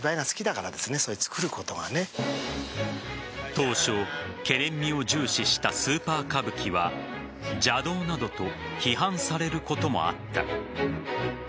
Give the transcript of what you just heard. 当初、けれん味を重視したスーパー歌舞伎は邪道などと批判されることもあった。